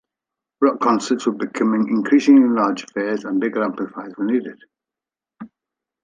Rock concerts were becoming increasingly large affairs and bigger amplifiers were needed.